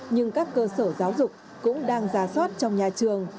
nhưng các cơ sở giáo dục cũng đang ra soát trong nhà trường